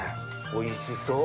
おいしそう。